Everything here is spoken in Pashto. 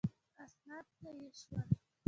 اسناد ضایع شول.